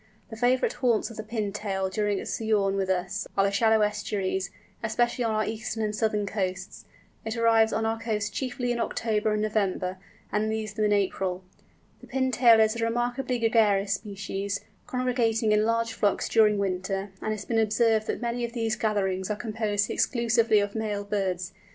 The favourite haunts of the Pintail, during its sojourn with us, are the shallow estuaries, especially on our eastern and southern coasts. It arrives on our coasts chiefly in October and November, and leaves them in April. The Pintail is a remarkably gregarious species, congregating in large flocks during winter, and it has been observed that many of these gatherings are composed exclusively of male birds.